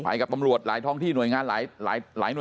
ไปกับปำรวจหลายท้องที่หน่วยงาน